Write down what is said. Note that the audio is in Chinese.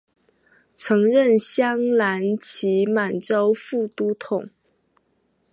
曾任镶蓝旗满洲副都统。